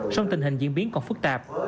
xong tình hình diễn biến còn phức tạp